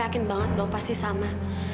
saya yakin banget dok pasti sama